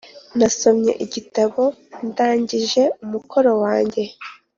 nasomye igitabo ndangije umukoro wanjye.